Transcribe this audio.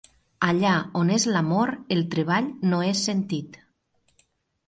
Allà on és l'amor el treball no és sentit.